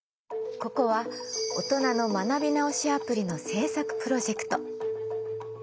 ここはオトナの学び直しアプリの制作プロジェクト。